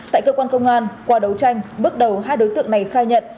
tại cơ quan công an qua đấu tranh bước đầu hai đối tượng này khai nhận